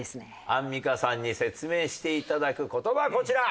アンミカさんに説明して頂く言葉はこちら。